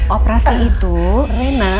operasi itu rena